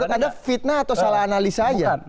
menurut anda fitnah atau salah analisa aja